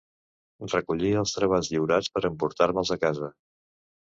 Recollia els treballs lliurats per emportar-me'ls a casa.